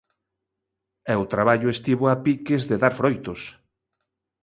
E o traballo estivo a piques de dar froitos.